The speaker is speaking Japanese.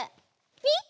ピッ！